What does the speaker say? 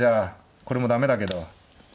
これも駄目だけど。